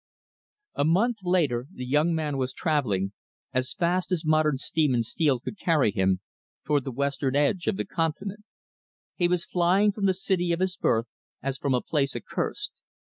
A month later, the young man was traveling, as fast as modern steam and steel could carry him, toward the western edge of the continent. He was flying from the city of his birth, as from a place accursed.